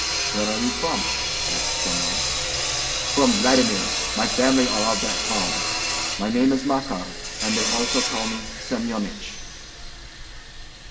"Where are you from?" asked some one. "From Vladimir. My family are of that town. My name is Makar, and they also call me Semyonich."